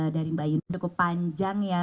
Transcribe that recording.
dari mbak yuni cukup panjang ya